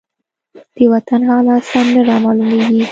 د وطن حالات سم نه رامالومېږي.